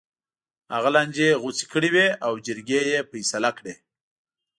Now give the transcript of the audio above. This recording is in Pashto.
هغه لانجې غوڅې کړې وې او جرګې یې فیصله کړې.